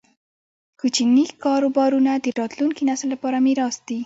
کوچني کاروبارونه د راتلونکي نسل لپاره میراث دی.